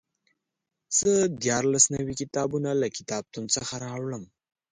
زه دیارلس نوي کتابونه له کتابتون څخه راوړم.